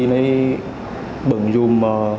thì bẩn dùm